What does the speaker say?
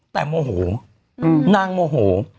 แต่โมโหนางโมโห